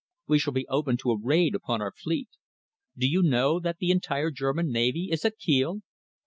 We shall be open to a raid upon our fleet. Do you know that the entire German navy is at Kiel?"